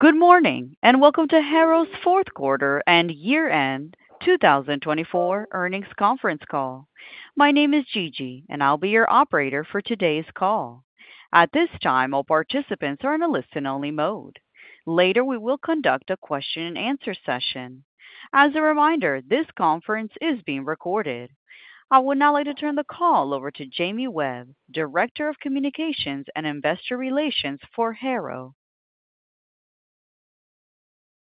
Good morning, and welcome to Harrow's fourth quarter and year-end 2024 earnings conference call. My name is Gigi, and I'll be your operator for today's call. At this time, all participants are in a listen-only mode. Later, we will conduct a question-and-answer session. As a reminder, this conference is being recorded. I would now like to turn the call over to Jamie Webb, Director of Communications and Investor Relations for Harrow.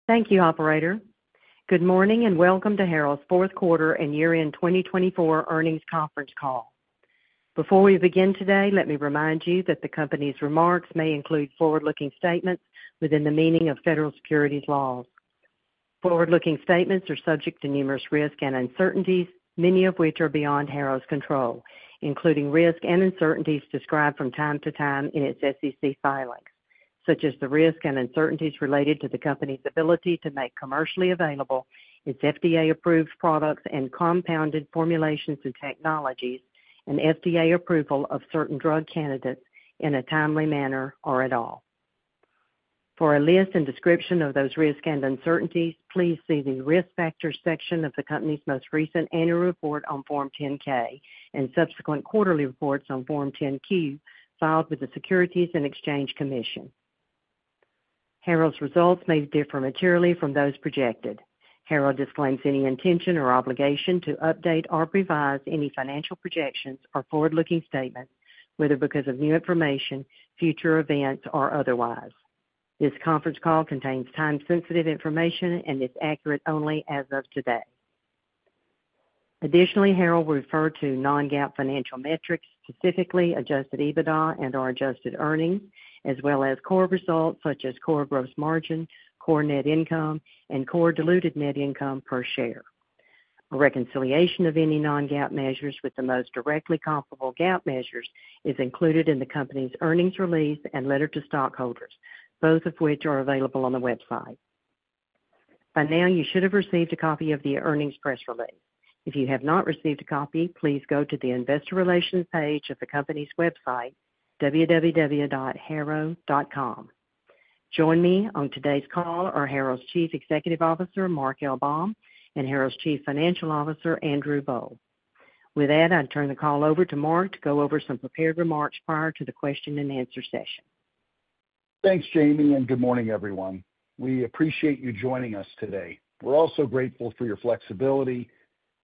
Thank you, Operator. Good morning, and welcome to Harrow's fourth quarter and year-end 2024 earnings conference call. Before we begin today, let me remind you that the company's remarks may include forward-looking statements within the meaning of federal securities laws. Forward-looking statements are subject to numerous risks and uncertainties, many of which are beyond Harrow's control, including risks and uncertainties described from time to time in its SEC filings, such as the risks and uncertainties related to the company's ability to make commercially available its FDA-approved products and compounded formulations and technologies, and FDA approval of certain drug candidates in a timely manner or at all. For a list and description of those risks and uncertainties, please see the risk factors section of the company's most recent annual report on Form 10-K and subsequent quarterly reports on Form 10-Q filed with the Securities and Exchange Commission. Harrow's results may differ materially from those projected. Harrow disclaims any intention or obligation to update or revise any financial projections or forward-looking statements, whether because of new information, future events, or otherwise. This conference call contains time-sensitive information and is accurate only as of today. Additionally, Harrow will refer to non-GAAP financial metrics, specifically adjusted EBITDA and/or adjusted earnings, as well as core results such as core gross margin, core net income, and core diluted net income per share. A reconciliation of any non-GAAP measures with the most directly comparable GAAP measures is included in the company's earnings release and letter to stockholders, both of which are available on the website. By now, you should have received a copy of the earnings press release. If you have not received a copy, please go to the Investor Relations page of the company's website, www.harrow.com. Join me on today's call are Harrow's Chief Executive Officer, Mark L. Baum, and Harrow's Chief Financial Officer, Andrew Boll. With that, I turn the call over to Mark to go over some prepared remarks prior to the question-and-answer session. Thanks, Jamie, and good morning, everyone. We appreciate you joining us today. We're also grateful for your flexibility,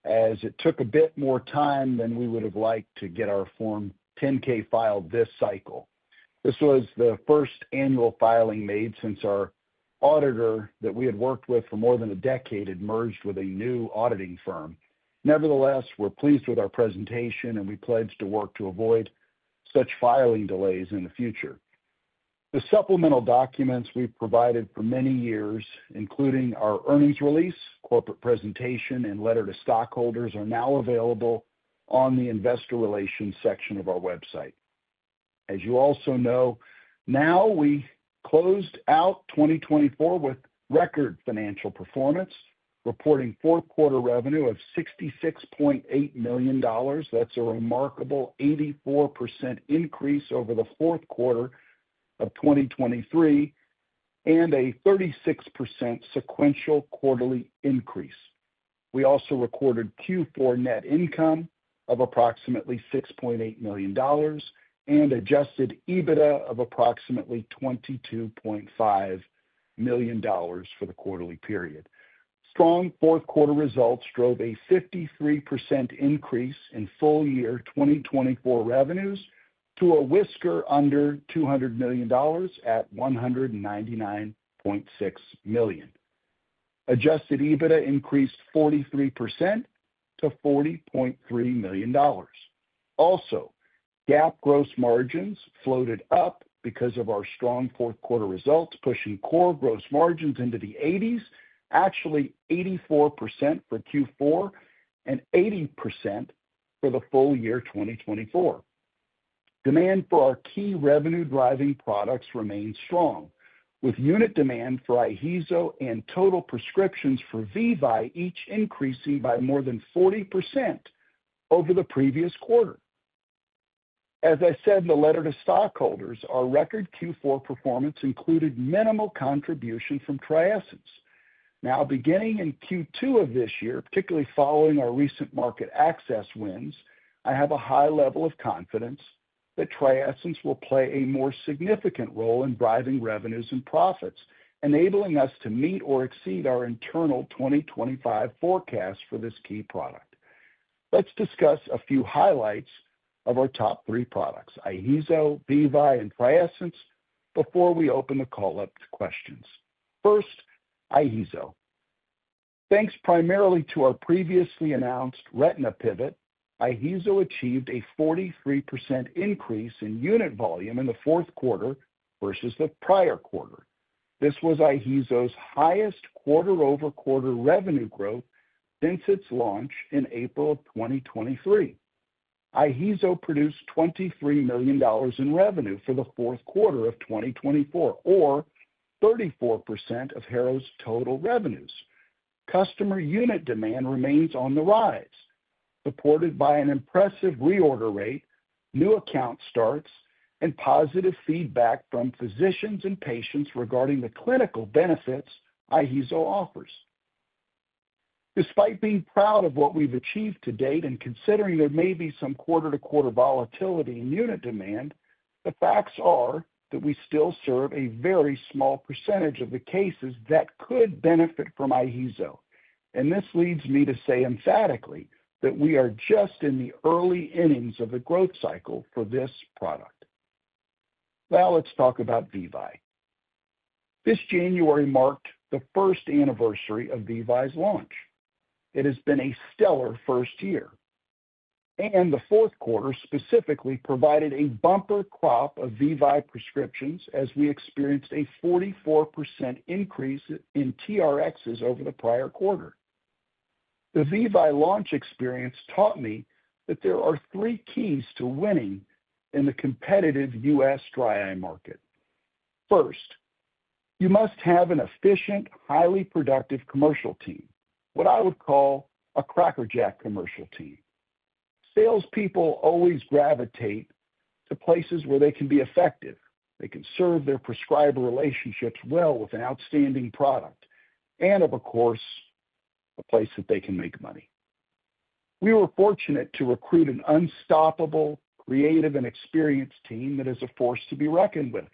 as it took a bit more time than we would have liked to get our Form 10-K filed this cycle. This was the first annual filing made since our auditor that we had worked with for more than a decade had merged with a new auditing firm. Nevertheless, we're pleased with our presentation, and we pledge to work to avoid such filing delays in the future. The supplemental documents we've provided for many years, including our earnings release, corporate presentation, and letter to stockholders, are now available on the investor relations section of our website. As you also know, now we closed out 2024 with record financial performance, reporting fourth-quarter revenue of $66.8 million. That's a remarkable 84% increase over the fourth quarter of 2023 and a 36% sequential quarterly increase. We also recorded Q4 net income of approximately $6.8 million and Adjusted EBITDA of approximately $22.5 million for the quarterly period. Strong fourth-quarter results drove a 53% increase in full-year 2024 revenues to a whisker under $200 million at $199.6 million. Adjusted EBITDA increased 43% to $40.3 million. Also, GAAP gross margins floated up because of our strong fourth-quarter results, pushing core gross margins into the 80s, actually 84% for Q4 and 80% for the full year 2024. Demand for our key revenue-driving products remains strong, with unit demand for Iheezo and total prescriptions for Vevye each increasing by more than 40% over the previous quarter. As I said in the letter to stockholders, our record Q4 performance included minimal contribution from Triesence. Now, beginning in Q2 of this year, particularly following our recent market access wins, I have a high level of confidence that Triesence will play a more significant role in driving revenues and profits, enabling us to meet or exceed our internal 2025 forecast for this key product. Let's discuss a few highlights of our top three products, Iheezo, Vevye, and Triesence, before we open the call up to questions. First, Iheezo. Thanks primarily to our previously announced retina pivot, Iheezo achieved a 43% increase in unit volume in the fourth quarter versus the prior quarter. This was Iheezo's highest quarter-over-quarter revenue growth since its launch in April of 2023. Iheezo produced $23 million in revenue for the fourth quarter of 2024, or 34% of Harrow's total revenues. Customer unit demand remains on the rise, supported by an impressive reorder rate, new account starts, and positive feedback from physicians and patients regarding the clinical benefits Iheezo offers. Despite being proud of what we've achieved to date and considering there may be some quarter-to-quarter volatility in unit demand, the facts are that we still serve a very small percentage of the cases that could benefit from Iheezo. This leads me to say emphatically that we are just in the early innings of the growth cycle for this product. Now, let's talk about Vevye. This January marked the first anniversary of Vevye's launch. It has been a stellar first year, and the fourth quarter specifically provided a bumper crop of Vevye prescriptions, as we experienced a 44% increase in TRx over the prior quarter. The Vevye launch experience taught me that there are three keys to winning in the competitive U.S. dry eye market. First, you must have an efficient, highly productive commercial team, what I would call a Cracker Jack commercial team. Salespeople always gravitate to places where they can be effective. They can serve their prescriber relationships well with an outstanding product and, of course, a place that they can make money. We were fortunate to recruit an unstoppable, creative, and experienced team that is a force to be reckoned with.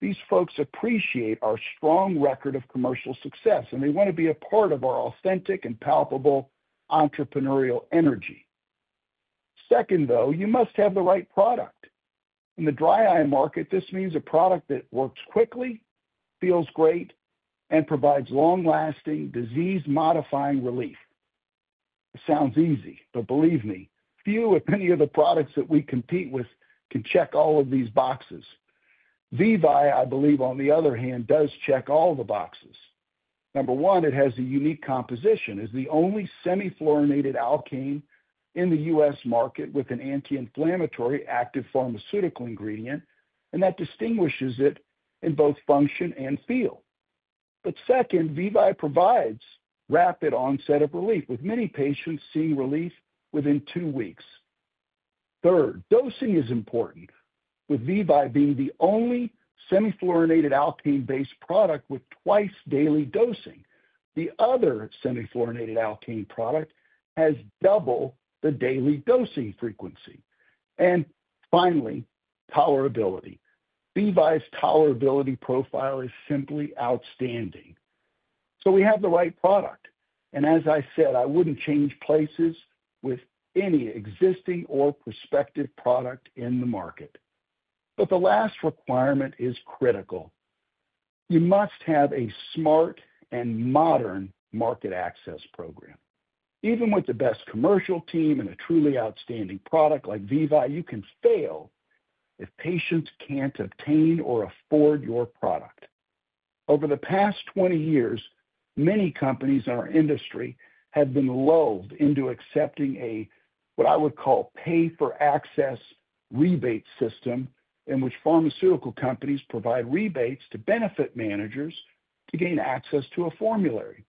These folks appreciate our strong record of commercial success, and they want to be a part of our authentic and palpable entrepreneurial energy. Second, though, you must have the right product. In the dry eye market, this means a product that works quickly, feels great, and provides long-lasting, disease-modifying relief. It sounds easy, but believe me, few, if any, of the products that we compete with can check all of these boxes. Vevye, I believe, on the other hand, does check all the boxes. Number one, it has a unique composition. It is the only semi-fluorinated alkane in the U.S. market with an anti-inflammatory active pharmaceutical ingredient, and that distinguishes it in both function and feel. Second, Vevye provides rapid onset of relief, with many patients seeing relief within two weeks. Third, dosing is important, with Vevye being the only semi-fluorinated alkane-based product with twice-daily dosing. The other semi-fluorinated alkane product has double the daily dosing frequency. Finally, tolerability. Vevye's tolerability profile is simply outstanding. We have the right product. As I said, I wouldn't change places with any existing or prospective product in the market. The last requirement is critical. You must have a smart and modern market access program. Even with the best commercial team and a truly outstanding product like Vevye, you can fail if patients can't obtain or afford your product. Over the past 20 years, many companies in our industry have been lulled into accepting what I would call a pay-for-access rebate system, in which pharmaceutical companies provide rebates to benefit managers to gain access to a formulary.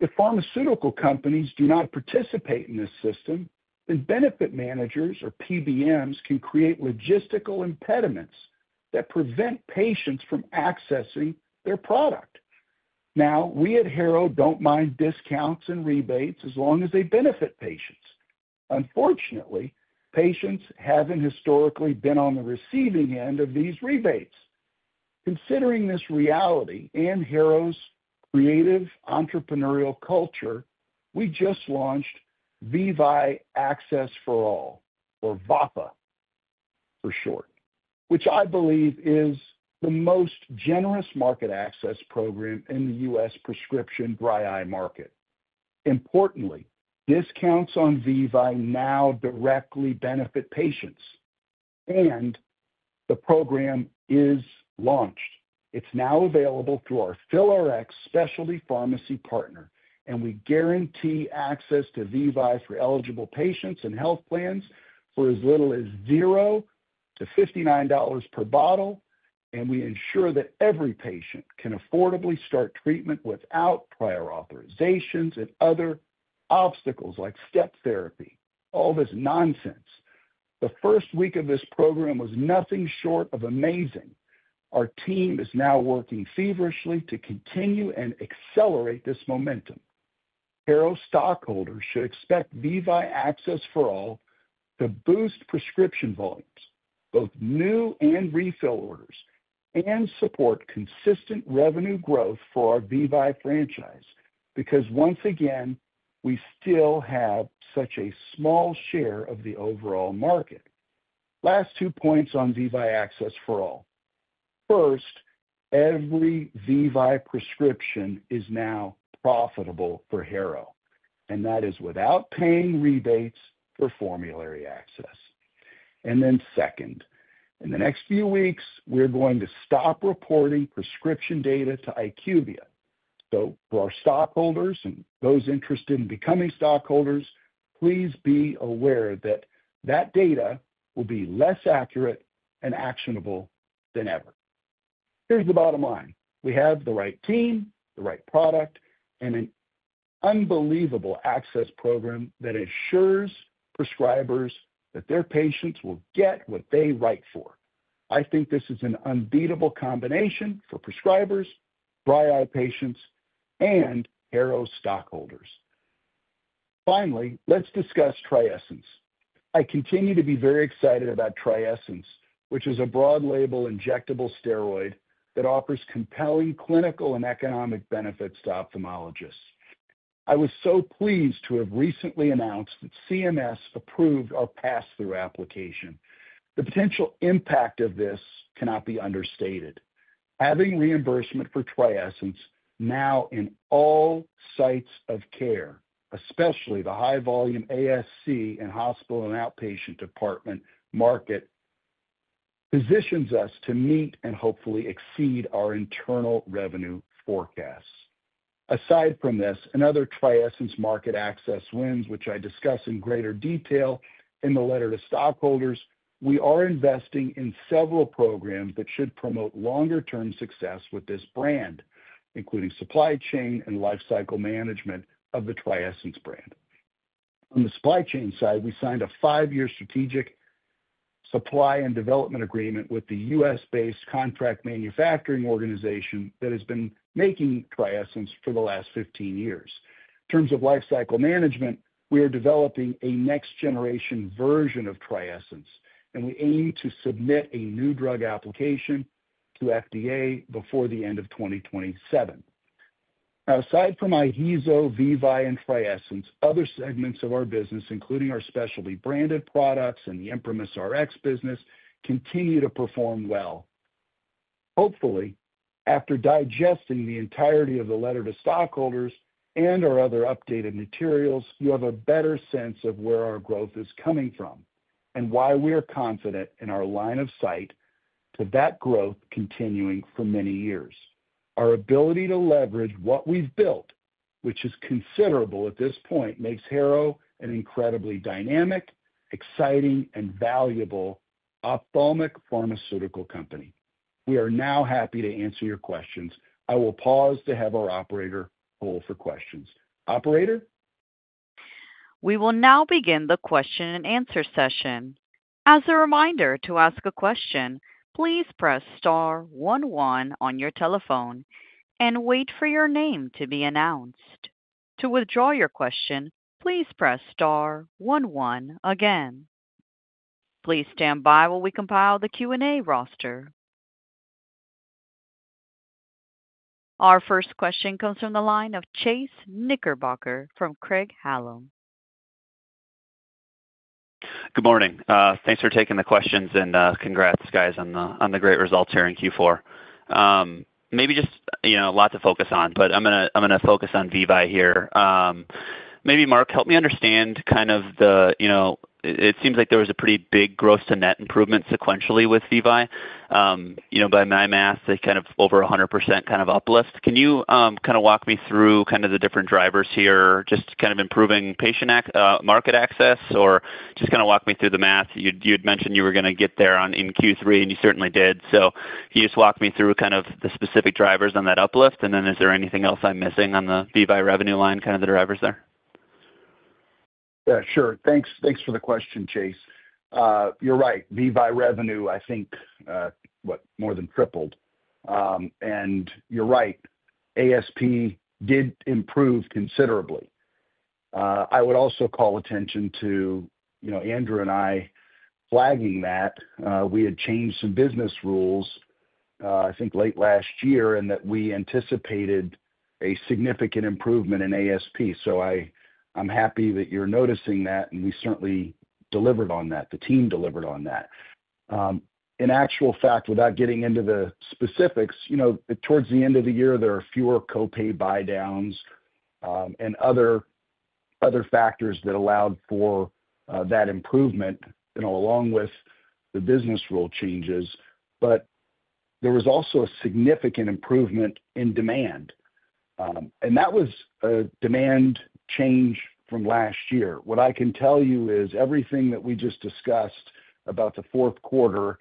If pharmaceutical companies do not participate in this system, then benefit managers or PBMs can create logistical impediments that prevent patients from accessing their product. Now, we at Harrow don't mind discounts and rebates as long as they benefit patients. Unfortunately, patients haven't historically been on the receiving end of these rebates. Considering this reality and Harrow's creative entrepreneurial culture, we just launched Vevye Access for All, or VAPA for short, which I believe is the most generous market access program in the U.S. prescription dry eye market. Importantly, discounts on Vevye now directly benefit patients. The program is launched. It is now available through our PhilRx specialty pharmacy partner, and we guarantee access to Vevye for eligible patients and health plans for as little as $0-$59 per bottle. We ensure that every patient can affordably start treatment without prior authorizations and other obstacles like step therapy, all this nonsense. The first week of this program was nothing short of amazing. Our team is now working feverishly to continue and accelerate this momentum. Harrow stockholders should expect Vevye Access for All to boost prescription volumes, both new and refill orders, and support consistent revenue growth for our Vevye franchise because, once again, we still have such a small share of the overall market. Last two points on Vevye Access for All. First, every Vevye prescription is now profitable for Harrow, and that is without paying rebates for formulary access. Second, in the next few weeks, we're going to stop reporting prescription data to IQVIA. For our stockholders and those interested in becoming stockholders, please be aware that that data will be less accurate and actionable than ever. Here's the bottom line. We have the right team, the right product, and an unbelievable access program that ensures prescribers that their patients will get what they write for. I think this is an unbeatable combination for prescribers, dry eye patients, and Harrow stockholders. Finally, let's discuss Triesence. I continue to be very excited about Triesence, which is a broad-label injectable steroid that offers compelling clinical and economic benefits to ophthalmologists. I was so pleased to have recently announced that CMS approved our pass-through application. The potential impact of this cannot be understated. Having reimbursement for Triesence now in all sites of care, especially the high-volume ASC and hospital and outpatient department market, positions us to meet and hopefully exceed our internal revenue forecasts. Aside from this, another Triesence market access wins, which I discuss in greater detail in the letter to stockholders, we are investing in several programs that should promote longer-term success with this brand, including supply chain and lifecycle management of the Triesence brand. On the supply chain side, we signed a five-year strategic supply and development agreement with the U.S.-based contract manufacturing organization that has been making Triesence for the last 15 years. In terms of lifecycle management, we are developing a next-generation version of Triesence, and we aim to submit a new drug application to FDA before the end of 2027. Now, aside from Iheezo, Vevye, and Triesence, other segments of our business, including our specialty branded products and the ImprimisRx business, continue to perform well. Hopefully, after digesting the entirety of the letter to stockholders and our other updated materials, you have a better sense of where our growth is coming from and why we are confident in our line of sight to that growth continuing for many years. Our ability to leverage what we've built, which is considerable at this point, makes Harrow an incredibly dynamic, exciting, and valuable ophthalmic pharmaceutical company. We are now happy to answer your questions. I will pause to have our operator poll for questions. Operator? We will now begin the question and answer session. As a reminder, to ask a question, please press star one one on your telephone and wait for your name to be announced. To withdraw your question, please press star one one again. Please stand by while we compile the Q&A roster. Our first question comes from the line of Chase Knickerbocker from Craig-Hallum. Good morning. Thanks for taking the questions, and congrats, guys, on the great results here in Q4. Maybe just a lot to focus on, but I'm going to focus on Vevye here. Maybe, Mark, help me understand kind of the it seems like there was a pretty big growth to net improvement sequentially with Vevye. By my math, they kind of over 100% kind of uplift. Can you kind of walk me through kind of the different drivers here, just kind of improving market access, or just kind of walk me through the math? You had mentioned you were going to get there in Q3, and you certainly did. Can you just walk me through kind of the specific drivers on that uplift? Is there anything else I'm missing on the Vevye revenue line, kind of the drivers there? Yeah, sure. Thanks for the question, Chase. You're right. Vevye revenue, I think, what, more than tripled. And you're right. ASP did improve considerably. I would also call attention to Andrew and I flagging that we had changed some business rules, I think, late last year, and that we anticipated a significant improvement in ASP. I'm happy that you're noticing that, and we certainly delivered on that. The team delivered on that. In actual fact, without getting into the specifics, towards the end of the year, there are fewer copay buy-downs and other factors that allowed for that improvement, along with the business rule changes. There was also a significant improvement in demand. That was a demand change from last year. What I can tell you is everything that we just discussed about the fourth quarter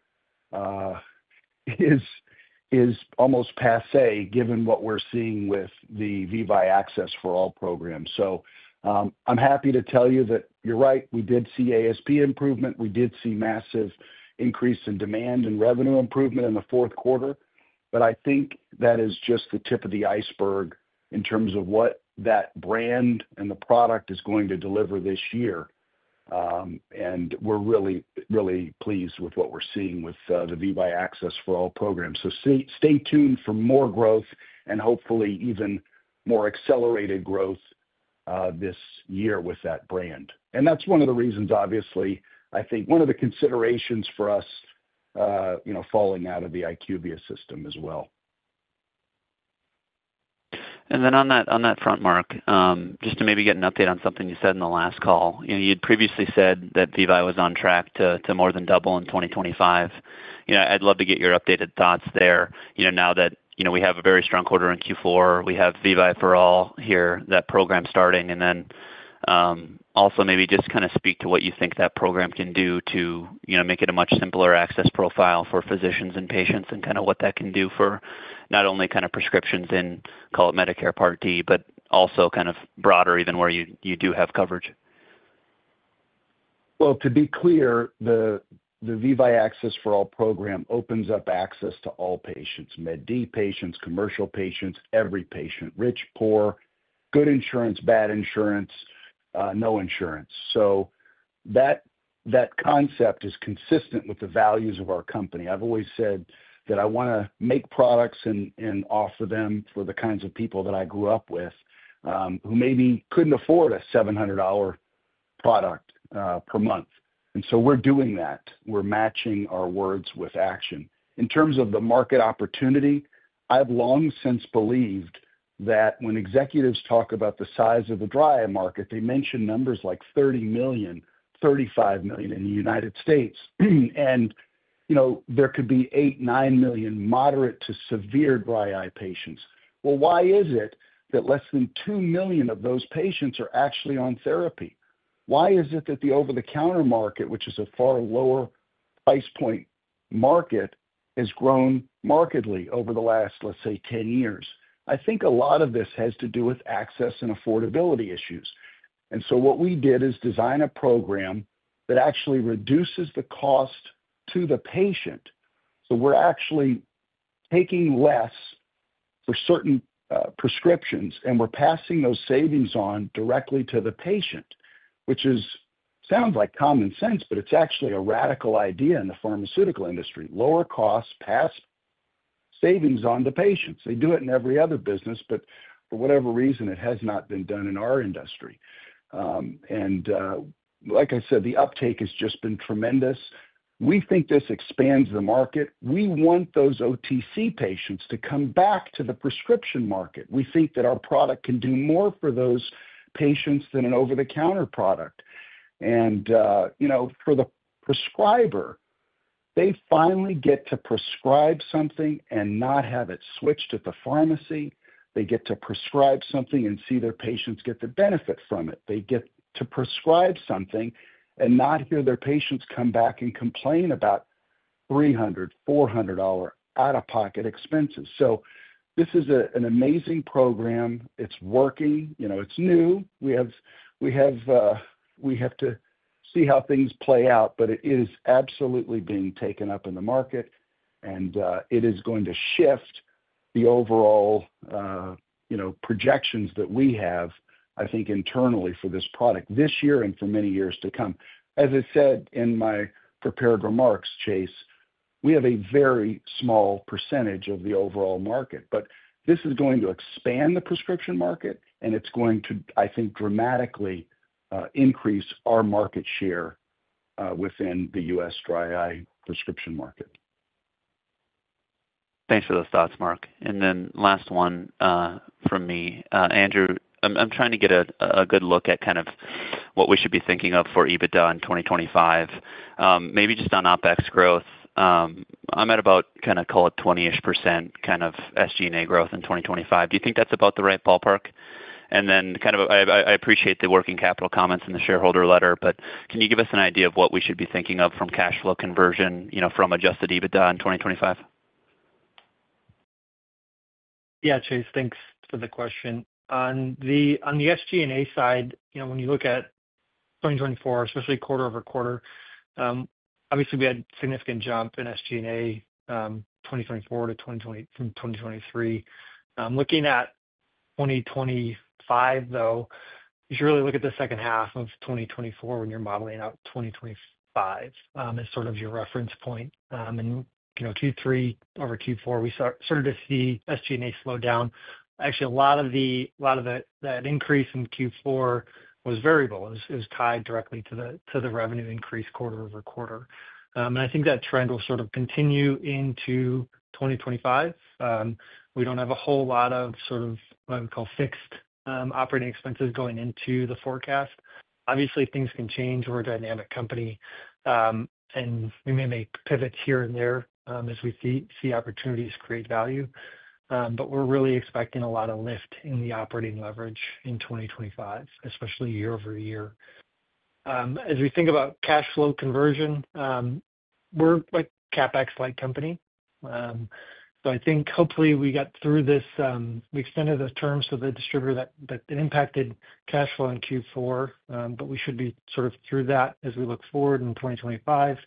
is almost passé, given what we're seeing with the Vevye Access for All program. I'm happy to tell you that you're right. We did see ASP improvement. We did see massive increase in demand and revenue improvement in the fourth quarter. I think that is just the tip of the iceberg in terms of what that brand and the product is going to deliver this year. We are really, really pleased with what we are seeing with the Vevye Access for All program. Stay tuned for more growth and hopefully even more accelerated growth this year with that brand. That is one of the reasons, obviously, I think, one of the considerations for us falling out of the IQVIA system as well. On that front, Mark, just to maybe get an update on something you said in the last call, you had previously said that Vevye was on track to more than double in 2025. I would love to get your updated thoughts there now that we have a very strong quarter in Q4. We have Vevye for All here, that program starting. Maybe just kind of speak to what you think that program can do to make it a much simpler access profile for physicians and patients and kind of what that can do for not only kind of prescriptions in, call it, Medicare Part D, but also kind of broader even where you do have coverage. To be clear, the Vevye Access for All program opens up access to all patients: MedD patients, commercial patients, every patient, rich, poor, good insurance, bad insurance, no insurance. That concept is consistent with the values of our company. I've always said that I want to make products and offer them for the kinds of people that I grew up with who maybe couldn't afford a $700 product per month. We are doing that. We're matching our words with action. In terms of the market opportunity, I've long since believed that when executives talk about the size of the dry eye market, they mention numbers like 30 million, 35 million in the United States. There could be 8, 9 million moderate to severe dry eye patients. Why is it that less than 2 million of those patients are actually on therapy? Why is it that the over-the-counter market, which is a far lower price point market, has grown markedly over the last, let's say, 10 years? I think a lot of this has to do with access and affordability issues. What we did is design a program that actually reduces the cost to the patient. We're actually taking less for certain prescriptions, and we're passing those savings on directly to the patient, which sounds like common sense, but it's actually a radical idea in the pharmaceutical industry: lower cost, pass savings on to patients. They do it in every other business, but for whatever reason, it has not been done in our industry. Like I said, the uptake has just been tremendous. We think this expands the market. We want those OTC patients to come back to the prescription market. We think that our product can do more for those patients than an over-the-counter product. For the prescriber, they finally get to prescribe something and not have it switched at the pharmacy. They get to prescribe something and see their patients get the benefit from it. They get to prescribe something and not hear their patients come back and complain about $300, $400 out-of-pocket expenses. This is an amazing program. It's working. It's new. We have to see how things play out, but it is absolutely being taken up in the market, and it is going to shift the overall projections that we have, I think, internally for this product this year and for many years to come. As I said in my prepared remarks, Chase, we have a very small percentage of the overall market, but this is going to expand the prescription market, and it's going to, I think, dramatically increase our market share within the U.S. dry eye prescription market. Thanks for those thoughts, Mark. Last one from me. Andrew, I'm trying to get a good look at kind of what we should be thinking of for EBITDA in 2025, maybe just on OpEx growth. I'm at about, kind of call it, 20% kind of SG&A growth in 2025. Do you think that's about the right ballpark? I appreciate the working capital comments in the shareholder letter, but can you give us an idea of what we should be thinking of from cash flow conversion from Adjusted EBITDA in 2025? Yeah, Chase, thanks for the question. On the SG&A side, when you look at 2024, especially quarter over quarter, obviously, we had a significant jump in SG&A 2024 to 2023. Looking at 2025, though, you should really look at the second half of 2024 when you're modeling out 2025 as sort of your reference point. Q3 over Q4, we started to see SG&A slow down. Actually, a lot of the increase in Q4 was variable. It was tied directly to the revenue increase quarter over quarter. I think that trend will sort of continue into 2025. We do not have a whole lot of sort of what we call fixed operating expenses going into the forecast. Obviously, things can change. We are a dynamic company, and we may make pivots here and there as we see opportunities create value. We are really expecting a lot of lift in the operating leverage in 2025, especially year over year. As we think about cash flow conversion, we are a CapEx-like company. I think hopefully we got through this. We extended the terms to the distributor that impacted cash flow in Q4, but we should be sort of through that as we look forward in 2025.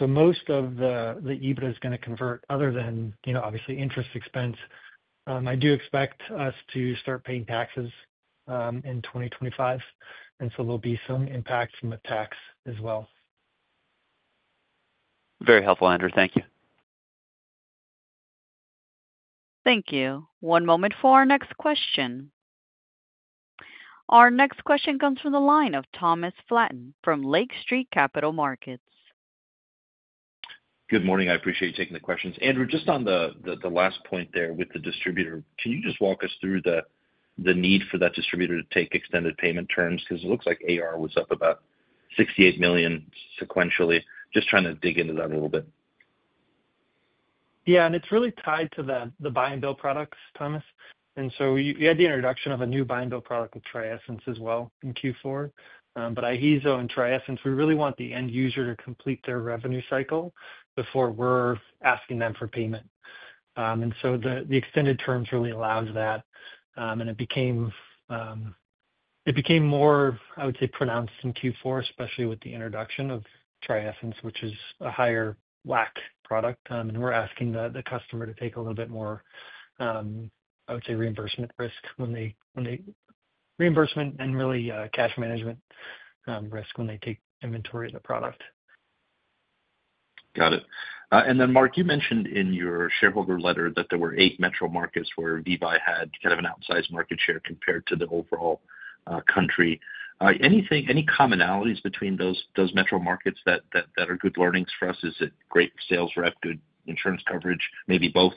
Most of the EBITDA is going to convert other than, obviously, interest expense. I do expect us to start paying taxes in 2025, and so there will be some impact from the tax as well. Very helpful, Andrew. Thank you. Thank you. One moment for our next question. Our next question comes from the line of Thomas Flaten from Lake Street Capital Markets. Good morning. I appreciate you taking the questions. Andrew, just on the last point there with the distributor, can you just walk us through the need for that distributor to take extended payment terms? Because it looks like AR was up about $68 million sequentially. Just trying to dig into that a little bit. Yeah. It is really tied to the buy-and-bill products, Thomas. You had the introduction of a new buy-and-bill product with Triesence as well in Q4. Iheezo and Triesence, we really want the end user to complete their revenue cycle before we're asking them for payment. The extended terms really allow that. It became more, I would say, pronounced in Q4, especially with the introduction of Triesence, which is a higher WAC product. We're asking the customer to take a little bit more, I would say, reimbursement risk when they reimbursement and really cash management risk when they take inventory of the product. Got it. Mark, you mentioned in your shareholder letter that there were eight metro markets where Vevye had kind of an outsized market share compared to the overall country. Any commonalities between those metro markets that are good learnings for us? Is it great sales rep, good insurance coverage, maybe both?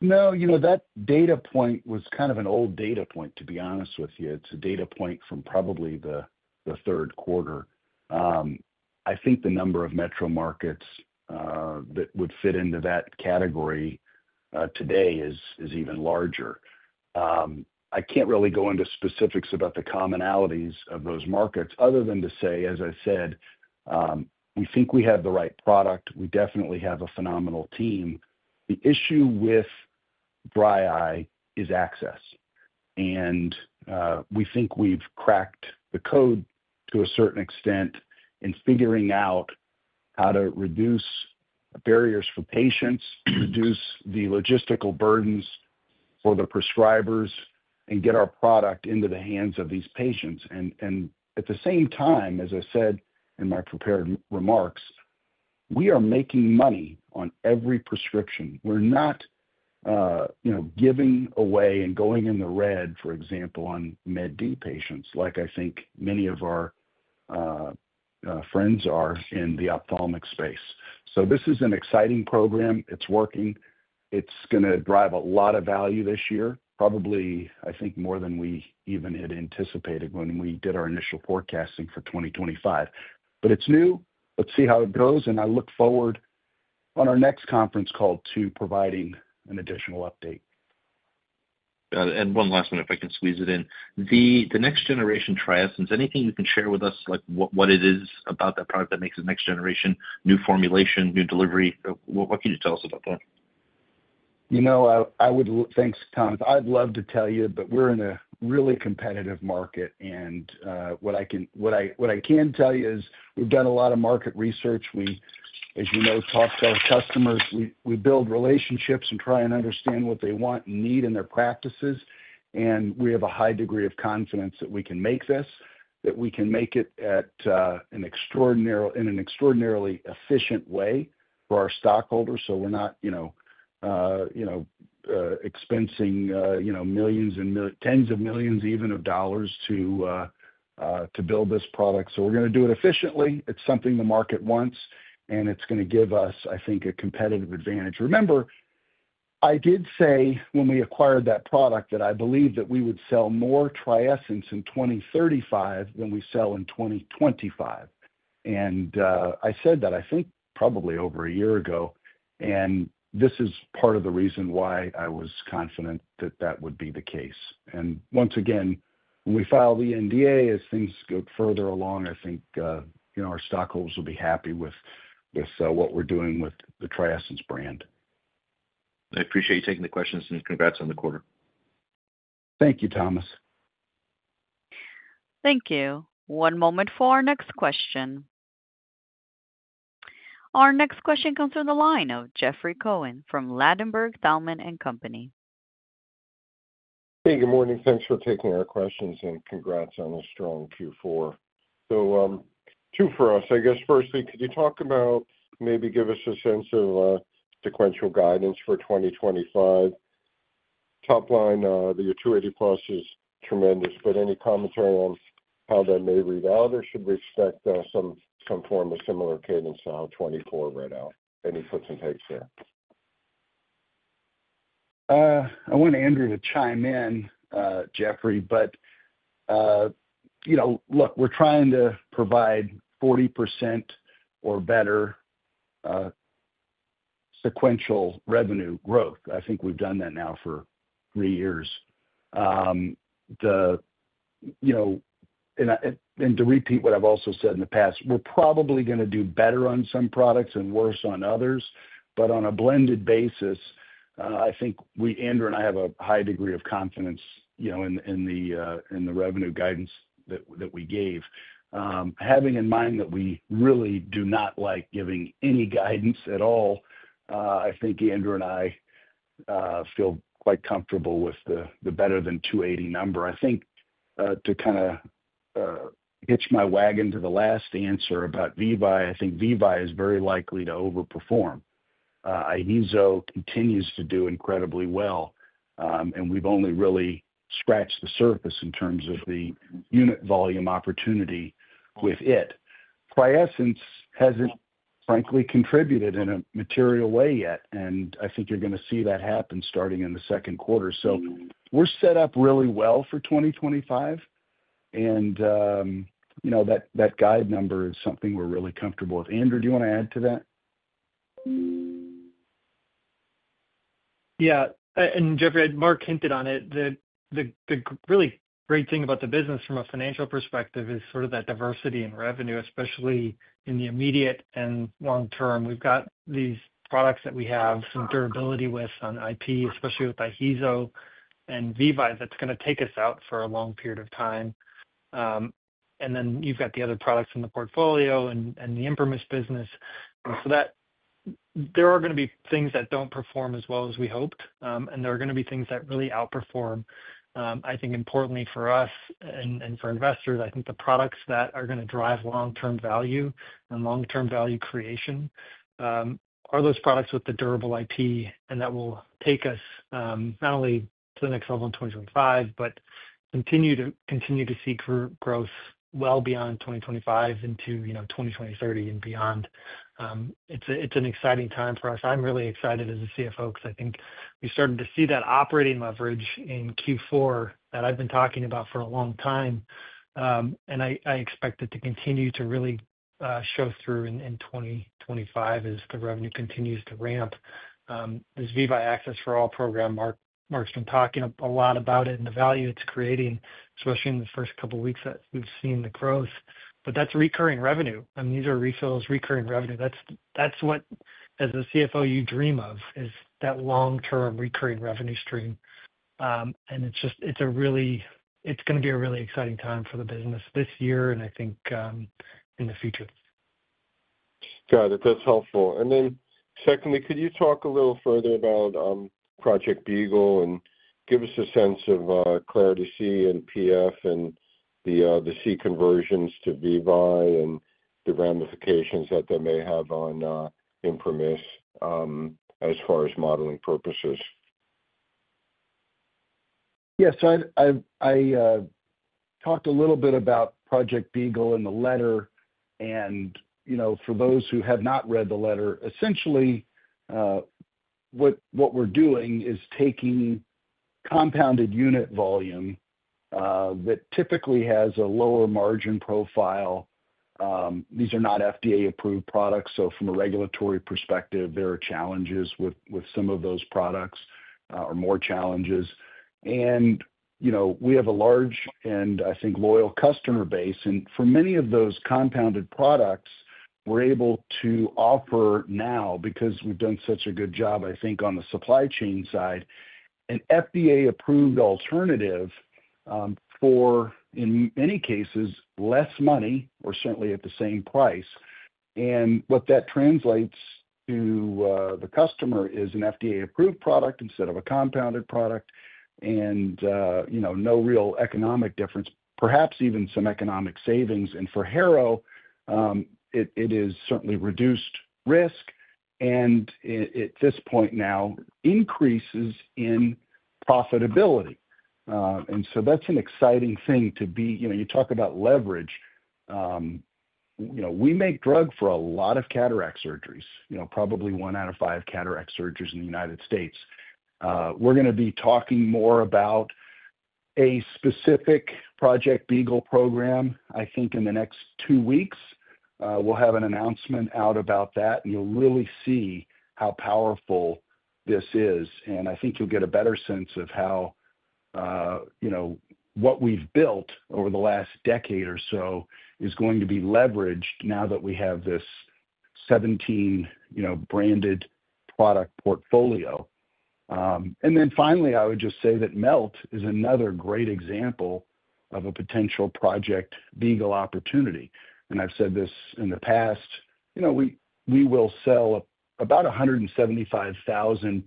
No, that data point was kind of an old data point, to be honest with you. It's a data point from probably the third quarter. I think the number of metro markets that would fit into that category today is even larger. I can't really go into specifics about the commonalities of those markets other than to say, as I said, we think we have the right product. We definitely have a phenomenal team. The issue with dry eye is access. We think we've cracked the code to a certain extent in figuring out how to reduce barriers for patients, reduce the logistical burdens for the prescribers, and get our product into the hands of these patients. At the same time, as I said in my prepared remarks, we are making money on every prescription. We're not giving away and going in the red, for example, on MedD patients, like I think many of our friends are in the ophthalmic space. This is an exciting program. It's working. It's going to drive a lot of value this year, probably, I think, more than we even had anticipated when we did our initial forecasting for 2025. It is new. Let's see how it goes. I look forward on our next conference call to providing an additional update. Got it. One last one, if I can squeeze it in. The Next Generation Triesence, anything you can share with us, like what it is about that product that makes it Next Generation, new formulation, new delivery? What can you tell us about that? I would, thanks, Thomas. I'd love to tell you, but we're in a really competitive market. What I can tell you is we've done a lot of market research. We, as you know, talk to our customers. We build relationships and try and understand what they want and need in their practices. We have a high degree of confidence that we can make this, that we can make it in an extraordinarily efficient way for our stockholders. We're not expensing millions and tens of millions, even of dollars, to build this product. We're going to do it efficiently. It's something the market wants, and it's going to give us, I think, a competitive advantage. Remember, I did say when we acquired that product that I believe that we would sell more Triesence in 2035 than we sell in 2025. I said that, I think, probably over a year ago. This is part of the reason why I was confident that that would be the case. Once again, when we file the NDA, as things go further along, I think our stockholders will be happy with what we're doing with the Triesence brand. I appreciate you taking the questions and congrats on the quarter. Thank you, Thomas. Thank you. One moment for our next question. Our next question comes from the line of Jeffrey Cohen from Ladenburg Thalmann & Company. Hey, good morning. Thanks for taking our questions and congrats on a strong Q4. Two for us. I guess, firstly, could you talk about, maybe give us a sense of sequential guidance for 2025? Top line, the $280 million plus is tremendous, but any commentary on how that may read out, or should we expect some form of similar cadence to how 2024 read out? Any puts and takes there? I want Andrew to chime in, Jeffrey, but look, we're trying to provide 40% or better sequential revenue growth. I think we've done that now for three years. To repeat what I've also said in the past, we're probably going to do better on some products and worse on others. On a blended basis, I think Andrew and I have a high degree of confidence in the revenue guidance that we gave. Having in mind that we really do not like giving any guidance at all, I think Andrew and I feel quite comfortable with the better than $280 million number. I think to kind of hitch my wagon to the last answer about Vevye, I think Vevye is very likely to overperform. Iheezo continues to do incredibly well, and we've only really scratched the surface in terms of the unit volume opportunity with it. Triesence hasn't, frankly, contributed in a material way yet, and I think you're going to see that happen starting in the second quarter. We are set up really well for 2025, and that guide number is something we're really comfortable with. Andrew, do you want to add to that? Yeah. And Jeffrey, Mark hinted on it. The really great thing about the business from a financial perspective is sort of that diversity in revenue, especially in the immediate and long term. We've got these products that we have some durability with on IP, especially with Iheezo and Vevye, that's going to take us out for a long period of time. You have the other products in the portfolio and the ImprimisRx business. There are going to be things that do not perform as well as we hoped, and there are going to be things that really outperform. I think importantly for us and for investors, I think the products that are going to drive long-term value and long-term value creation are those products with the durable IP, and that will take us not only to the next level in 2025, but continue to see growth well beyond 2025 into 2023 and beyond. It is an exciting time for us. I am really excited as a CFO because I think we started to see that operating leverage in Q4 that I have been talking about for a long time. I expect it to continue to really show through in 2025 as the revenue continues to ramp. This Vevye Access for All program, Mark's been talking a lot about it and the value it's creating, especially in the first couple of weeks that we've seen the growth. That's recurring revenue. I mean, these are refills, recurring revenue. That's what, as a CFO, you dream of, is that long-term recurring revenue stream. It's a really—it's going to be a really exciting time for the business this year and I think in the future. Got it. That's helpful. Secondly, could you talk a little further about Project Beagle and give us a sense of Klarity-C and PF and the C conversions to Vevye and the ramifications that they may have on ImprimisRx as far as modeling purposes? Yeah. I talked a little bit about Project Beagle in the letter. For those who have not read the letter, essentially what we're doing is taking compounded unit volume that typically has a lower margin profile. These are not FDA-approved products. From a regulatory perspective, there are challenges with some of those products or more challenges. We have a large and I think loyal customer base. For many of those compounded products, we're able to offer now, because we've done such a good job, I think, on the supply chain side, an FDA-approved alternative for, in many cases, less money or certainly at the same price. What that translates to the customer is an FDA-approved product instead of a compounded product and no real economic difference, perhaps even some economic savings. For Harrow, it is certainly reduced risk and at this point now increases in profitability. That is an exciting thing to be. You talk about leverage. We make drug for a lot of cataract surgeries, probably one out of five cataract surgeries in the United States. We are going to be talking more about a specific Project Beagle program. I think in the next two weeks, we will have an announcement out about that, and you will really see how powerful this is. I think you will get a better sense of how what we have built over the last decade or so is going to be leveraged now that we have this 17-branded product portfolio. Finally, I would just say that Melt is another great example of a potential Project Beagle opportunity. I have said this in the past. We will sell about 175,000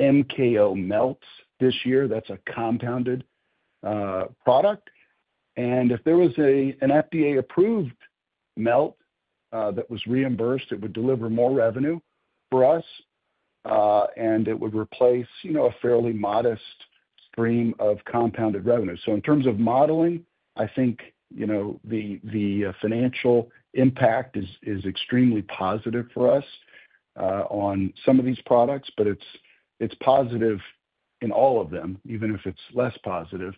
MKO Melts this year. That is a compounded product. If there was an FDA-approved Melt that was reimbursed, it would deliver more revenue for us, and it would replace a fairly modest stream of compounded revenue. In terms of modeling, I think the financial impact is extremely positive for us on some of these products, but it's positive in all of them, even if it's less positive.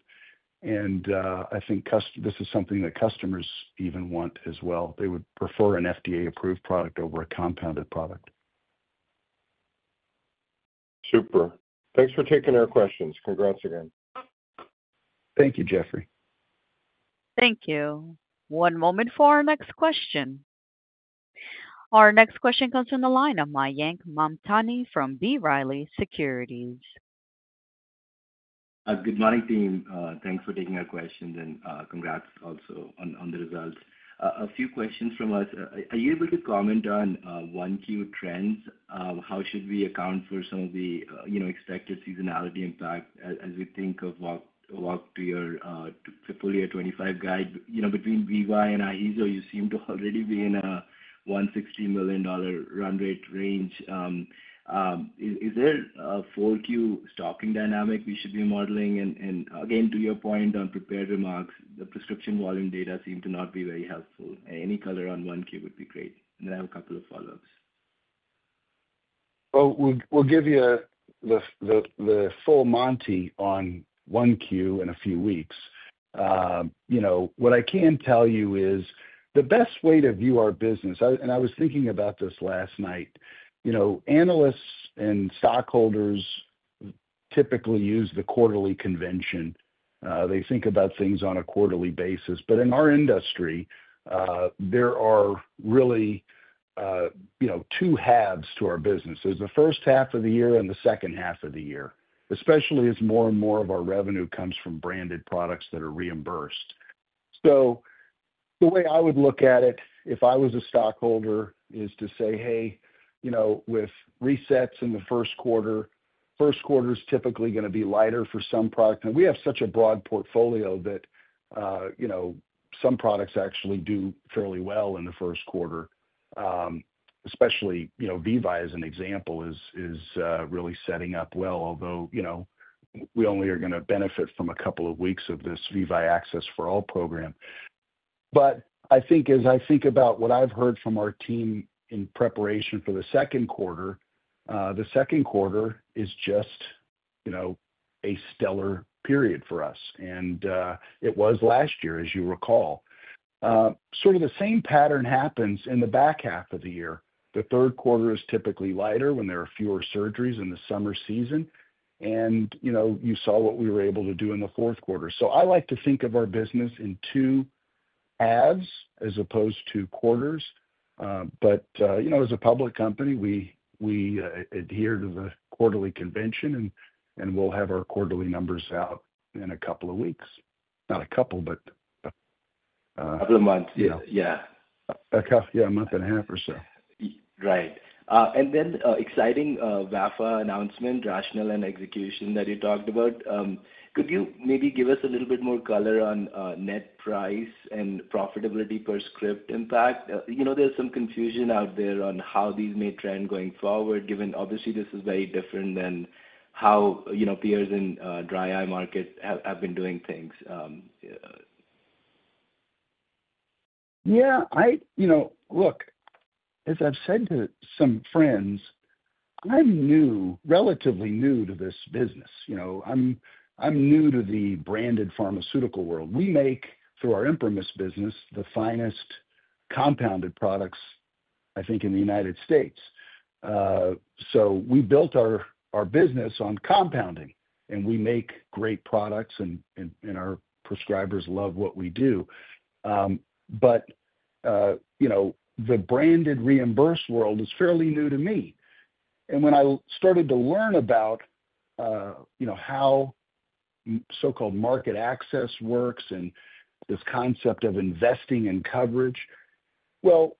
I think this is something that customers even want as well. Theywould prefer an FDA-approved product over a compounded product. Super. Thanks for taking our questions. Congrats again. Thank you, Jeffrey. Thank you. One moment for our next question. Our next question comes from the line of Mayank Mamtani from B. Riley Securities. Good morning, team. Thanks for taking our questions. Congrats also on the results. A few questions from us. Are you able to comment on 1Q trends? How should we account for some of the expected seasonality impact as we think of walk to your Fifolia 25 guide? Between Vevye and Iheezo, you seem to already be in a $160 million run rate range. Is there a 4Q stocking dynamic we should be modeling? To your point on prepared remarks, the prescription volume data seem to not be very helpful. Any color on 1Q would be great. I have a couple of follow-ups. We'll give you the full monty on 1Q in a few weeks. What I can tell you is the best way to view our business, and I was thinking about this last night, analysts and stockholders typically use the quarterly convention. They think about things on a quarterly basis. In our industry, there are really two halves to our business. There's the first half of the year and the second half of the year, especially as more and more of our revenue comes from branded products that are reimbursed. The way I would look at it, if I was a stockholder, is to say, "Hey, with resets in the first quarter, first quarter is typically going to be lighter for some products." We have such a broad portfolio that some products actually do fairly well in the first quarter, especially Vevye as an example, is really setting up well, although we only are going to benefit from a couple of weeks of this Vevye Access for All program. I think as I think about what I've heard from our team in preparation for the second quarter, the second quarter is just a stellar period for us. It was last year, as you recall. Sort of the same pattern happens in the back half of the year. The third quarter is typically lighter when there are fewer surgeries in the summer season. You saw what we were able to do in the fourth quarter. I like to think of our business in two halves as opposed to quarters. As a public company, we adhere to the quarterly convention, and we'll have our quarterly numbers out in a couple of weeks. Not a couple, but a month. Yeah. Yeah. A month and a half or so. Right. Exciting VAFA announcement, rationale and execution that you talked about. Could you maybe give us a little bit more color on net price and profitability per script impact? There's some confusion out there on how these may trend going forward, given obviously this is very different than how peers in dry eye market have been doing things. Yeah. Look, as I've said to some friends, I'm relatively new to this business. I'm new to the branded pharmaceutical world. We make, through our ImprimisRx business, the finest compounded products, I think, in the United States. We built our business on compounding, and we make great products, and our prescribers love what we do. The branded reimbursed world is fairly new to me. When I started to learn about how so-called market access works and this concept of investing in coverage, when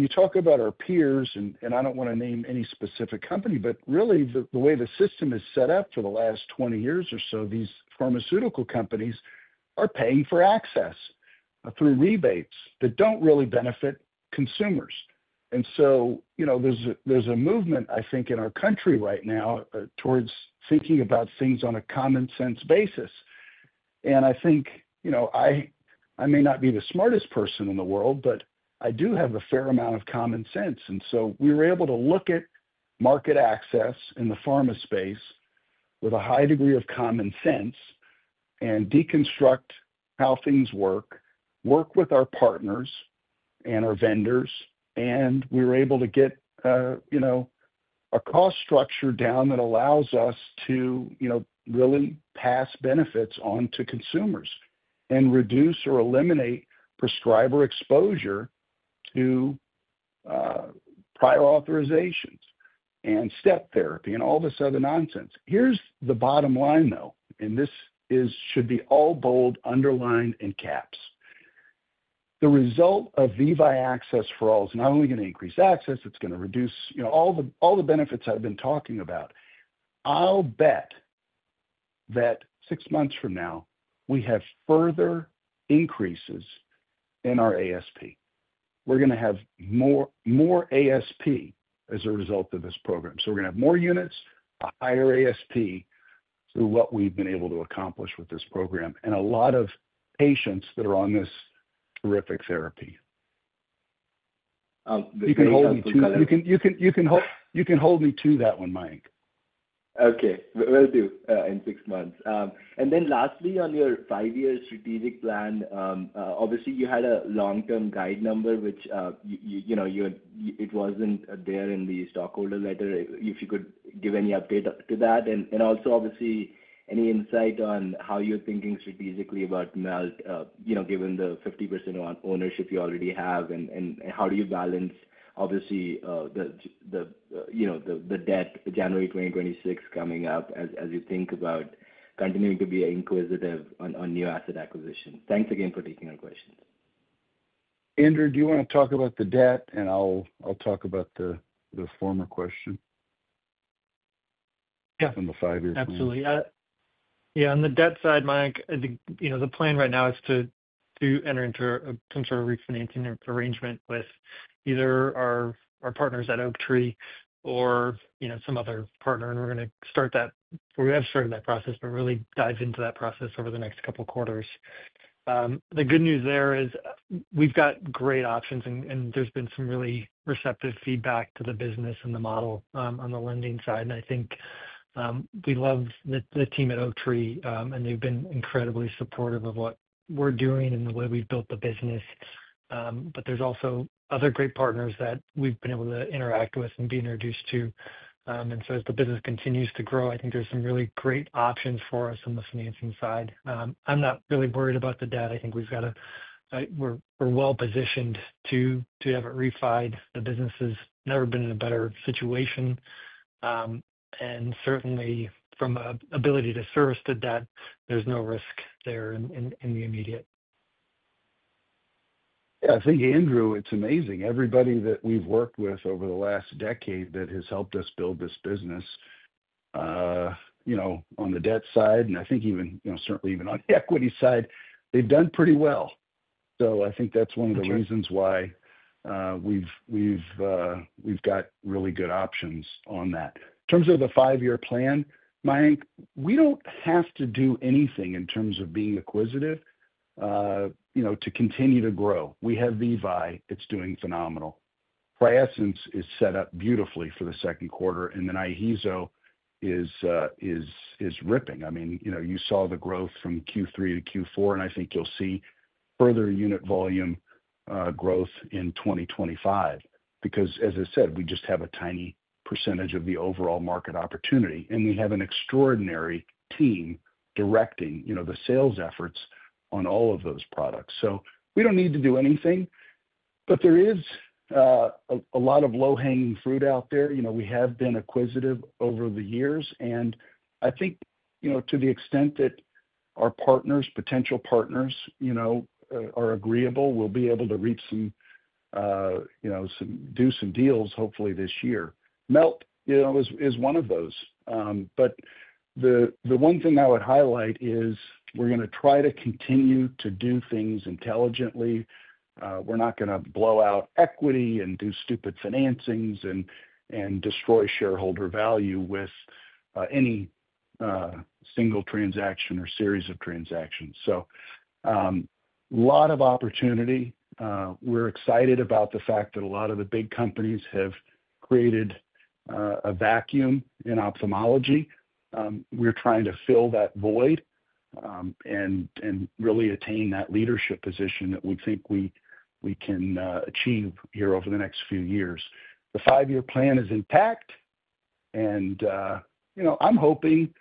you talk about our peers, and I don't want to name any specific company, but really the way the system is set up for the last 20 years or so, these pharmaceutical companies are paying for access through rebates that don't really benefit consumers. There is a movement, I think, in our country right now towards thinking about things on a common sense basis. I think I may not be the smartest person in the world, but I do have a fair amount of common sense. We were able to look at market access in the pharma space with a high degree of common sense and deconstruct how things work, work with our partners and our vendors, and we were able to get a cost structure down that allows us to really pass benefits on to consumers and reduce or eliminate prescriber exposure to prior authorizations and step therapy and all this other nonsense. Here's the bottom line, though, and this should be all bold, underlined in caps. The result of Vevye Access for All is not only going to increase access, it's going to reduce all the benefits I've been talking about. I'll bet that six months from now, we have further increases in our ASP. We're going to have more ASP as a result of this program. We're going to have more units, a higher ASP through what we've been able to accomplish with this program and a lot of patients that are on this terrific therapy. You can hold me to that. You can hold me to that one, Mayank. Okay. Will do in six months. Lastly, on your five-year strategic plan, obviously you had a long-term guide number, which it wasn't there in the stockholder letter. If you could give any update to that. Also, obviously, any insight on how you're thinking strategically about Melt, given the 50% ownership you already have, and how do you balance, obviously, the debt, January 2026 coming up, as you think about continuing to be inquisitive on new asset acquisition? Thanks again for taking our questions. Andrew, do you want to talk about the debt, and I'll talk about the former question? Yeah. On the five-year plan. Absolutely. Yeah. On the debt side, Mayank, I think the plan right now is to enter into some sort of refinancing arrangement with either our partners at Oaktree or some other partner. We're going to start that. We have started that process, but really dive into that process over the next couple of quarters. The good news there is we've got great options, and there's been some really receptive feedback to the business and the model on the lending side. I think we love the team at Oaktree, and they've been incredibly supportive of what we're doing and the way we've built the business. There are also other great partners that we've been able to interact with and be introduced to. As the business continues to grow, I think there's some really great options for us on the financing side. I'm not really worried about the debt. I think we've got a we're well-positioned to have it refied. The business has never been in a better situation. Certainly, from an ability to service the debt, there's no risk there in the immediate. Yeah. I think, Andrew, it's amazing. Everybody that we've worked with over the last decade that has helped us build this business on the debt side, and I think certainly even on the equity side, they've done pretty well. I think that's one of the reasons why we've got really good options on that. In terms of the five-year plan, Mayank, we don't have to do anything in terms of being acquisitive to continue to grow. We have Vevye. It's doing phenomenal. Price is set up beautifully for the second quarter, and then Iheezo is ripping. I mean, you saw the growth from Q3 to Q4, and I think you'll see further unit volume growth in 2025 because, as I said, we just have a tiny percentage of the overall market opportunity, and we have an extraordinary team directing the sales efforts on all of those products. We don't need to do anything, but there is a lot of low-hanging fruit out there. We have been inquisitive over the years, and I think to the extent that our potential partners are agreeable, we'll be able to reach some do some deals, hopefully, this year. Melt is one of those. The one thing I would highlight is we're going to try to continue to do things intelligently. We're not going to blow out equity and do stupid financings and destroy shareholder value with any single transaction or series of transactions. A lot of opportunity. We're excited about the fact that a lot of the big companies have created a vacuum in ophthalmology. We're trying to fill that void and really attain that leadership position that we think we can achieve here over the next few years. The five-year plan is intact. I'm hoping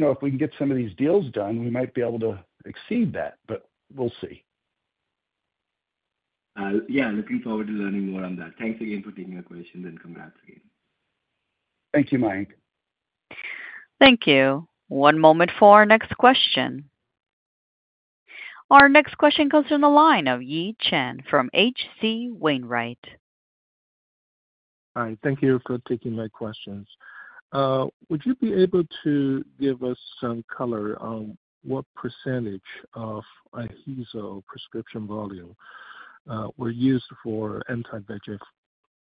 if we can get some of these deals done, we might be able to exceed that, but we'll see. Looking forward to learning more on that. Thanks again for taking our questions, and congrats again. Thank you, Mayank. Thank you. One moment for our next question. Our next question comes from the line of Yi Chen from HC Wainwright. Hi. Thank you for taking my questions. Would you be able to give us some color on what percentage of Iheezo prescription volume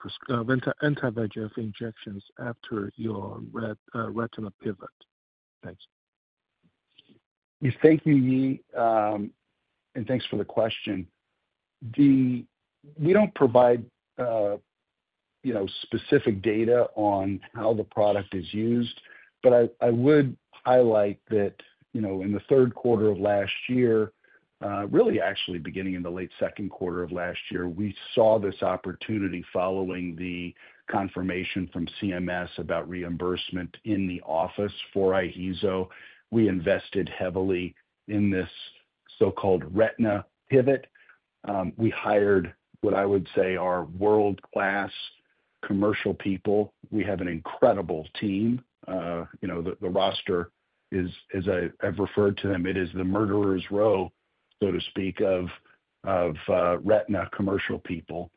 were used for anti-VEGF injections after your retina pivot? Thanks. Thank you, Yi, and thanks for the question. We do not provide specific data on how the product is used, but I would highlight that in the third quarter of last year, really actually beginning in the late second quarter of last year, we saw this opportunity following the confirmation from CMS about reimbursement in the office for Iheezo. We invested heavily in this so-called retina pivot. We hired what I would say are world-class commercial people. We have an incredible team. The roster, as I have referred to them, it is the murderer's row, so to speak, of retina commercial people.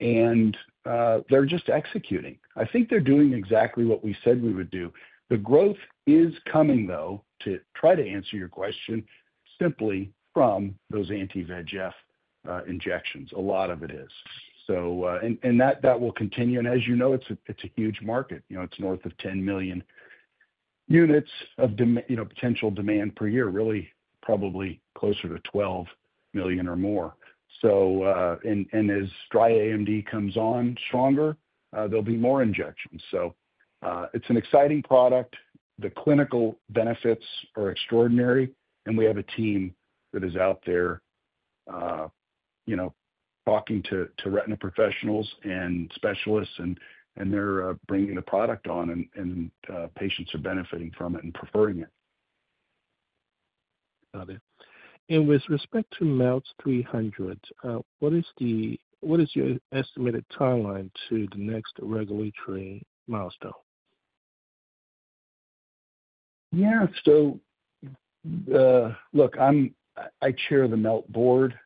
They are just executing. I think they are doing exactly what we said we would do. The growth is coming, though, to try to answer your question, simply from those anti-VEGF injections. A lot of it is. That will continue. As you know, it is a huge market. It's north of 10 million units of potential demand per year, really probably closer to 12 million or more. As dry AMD comes on stronger, there'll be more injections. It's an exciting product. The clinical benefits are extraordinary, and we have a team that is out there talking to retina professionals and specialists, and they're bringing the product on, and patients are benefiting from it and preferring it. Got it. With respect to Melt 300, what is your estimated timeline to the next regulatory milestone? Yeah. I chair the Melt board,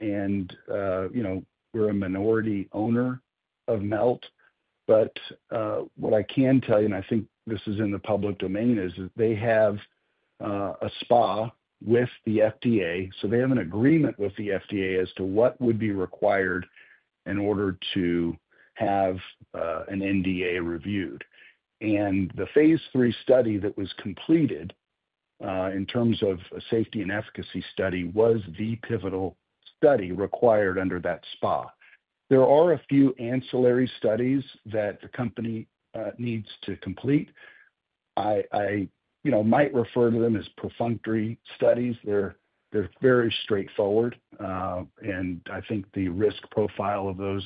and we're a minority owner of Melt. What I can tell you, and I think this is in the public domain, is they have a SPA with the FDA. They have an agreement with the FDA as to what would be required in order to have an NDA reviewed. The phase three study that was completed in terms of a safety and efficacy study was the pivotal study required under that SPA. There are a few ancillary studies that the company needs to complete. I might refer to them as perfunctory studies. They are very straightforward, and I think the risk profile of those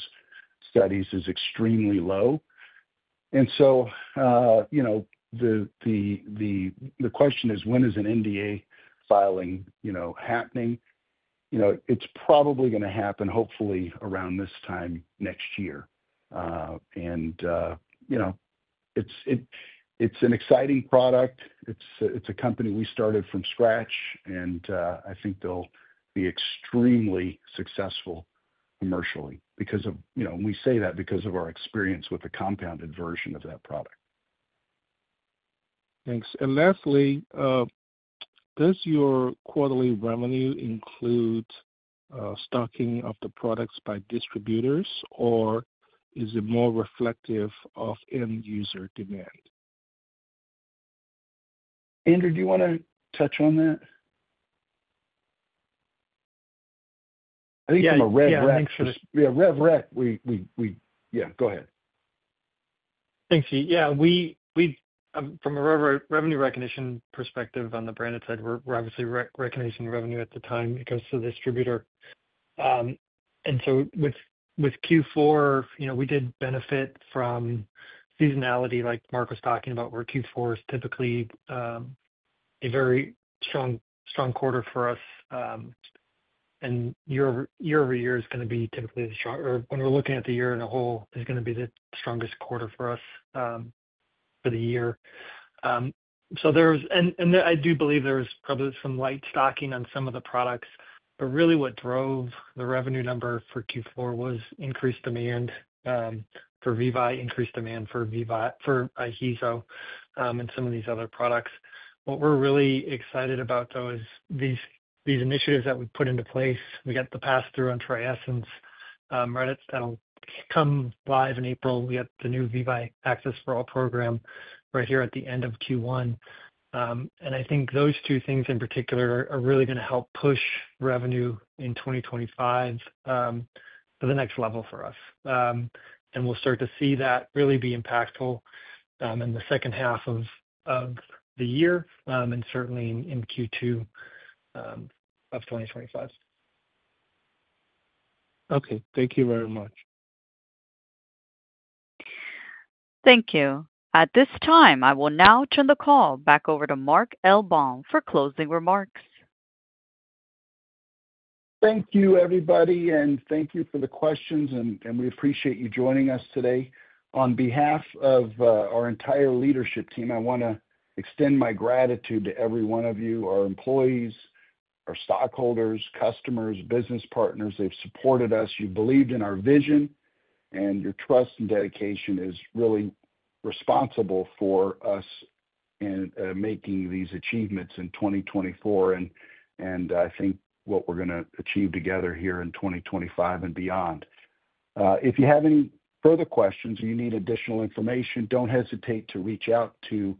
studies is extremely low. The question is, when is an NDA filing happening? It is probably going to happen, hopefully, around this time next year. It is an exciting product. It is a company we started from scratch, and I think they will be extremely successful commercially because of—we say that because of our experience with the compounded version of that product. Thanks. Lastly, does your quarterly revenue include stocking of the products by distributors, or is it more reflective of end-user demand? Andrew, do you want to touch on that? I think from a rev rec—yeah, I think so. Yeah, rev rec. Yeah. Go ahead. Thanks, Yi. Yeah. From a revenue recognition perspective on the branded side, we're obviously recognizing revenue at the time it goes to the distributor. With Q4, we did benefit from seasonality, like Mark was talking about, where Q4 is typically a very strong quarter for us. Year over year is going to be typically the strong—or when we're looking at the year as a whole, it's going to be the strongest quarter for us for the year. I do believe there was probably some light stocking on some of the products, but really what drove the revenue number for Q4 was increased demand for Vevye, increased demand for Iheezo and some of these other products. What we're really excited about, though, is these initiatives that we put into place. We got the pass-through on Triesence. Right? It's going to come live in April. We got the new Vevye Access for All program right here at the end of Q1. I think those two things in particular are really going to help push revenue in 2025 to the next level for us. We will start to see that really be impactful in the second half of the year and certainly in Q2 of 2025. Thank you very much. Thank you. At this time, I will now turn the call back over to Mark L. Baum for closing remarks. Thank you, everybody, and thank you for the questions. We appreciate you joining us today. On behalf of our entire leadership team, I want to extend my gratitude to every one of you, our employees, our stockholders, customers, business partners. They have supported us. You've believed in our vision, and your trust and dedication is really responsible for us in making these achievements in 2024 and I think what we're going to achieve together here in 2025 and beyond. If you have any further questions or you need additional information, don't hesitate to reach out to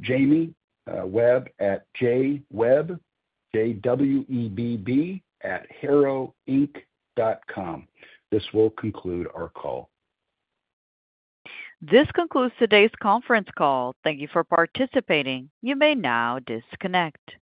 Jamie Webb at jwebb@harrowinc.com. This will conclude our call. This concludes today's conference call. Thank you for participating. You may now disconnect.